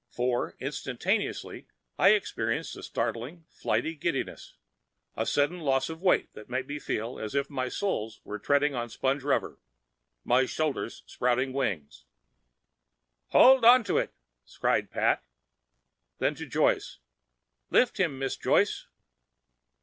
For instantaneously I experienced a startling, flighty giddiness, a sudden loss of weight that made me feel as if my soles were treading on sponge rubber, my shoulders sprouting wings. "Hold on to it!" cried Pat. Then to Joyce, "Lift him, Miss Joyce."